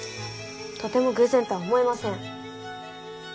とても偶然とは思えません。